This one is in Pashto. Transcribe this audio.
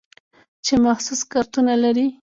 چې مخصوص کارتونه لري.